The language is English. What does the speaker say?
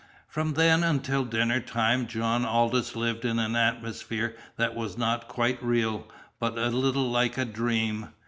From then until dinner time John Aldous lived in an atmosphere that was not quite real, but a little like a dream.